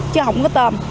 chứ không có tôm